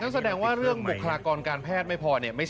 น่าแสดงว่าเรื่องมุขฒาคตการแพทย์ไม่พอ